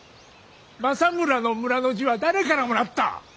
政村の「村」の字は誰からもらった。